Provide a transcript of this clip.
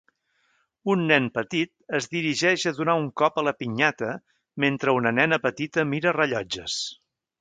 Un nen petit es dirigeix a donar un cop a la pinyata mentre una nena petita mira rellotges.